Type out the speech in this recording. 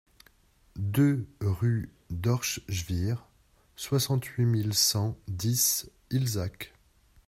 deux rue d'Orschwihr, soixante-huit mille cent dix Illzach